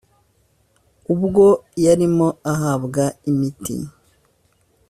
ubwo yarimo ahabwa imiti